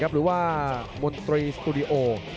หรือว่ามนตรีสตูดิโอ